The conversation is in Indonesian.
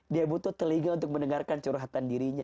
dia butuh telinga untuk mendengarkan curhatan dirinya